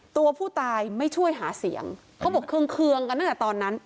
ตัวผู้ตายไม่ช่วยหาเสียงเขาบอกเคืองกันตั้งแต่ตอนนั้น